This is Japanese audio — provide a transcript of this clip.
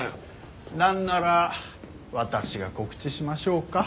なんなら私が告知しましょうか？